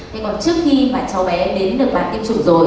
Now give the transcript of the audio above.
thế còn trước khi mà cháu bé đến được bán tiêm chủng rồi